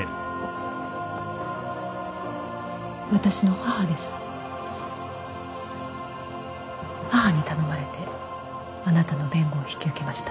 母に頼まれてあなたの弁護を引き受けました。